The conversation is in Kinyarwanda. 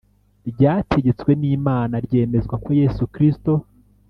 ryategetswe n Imana ryemezwa ko Yesu Kristo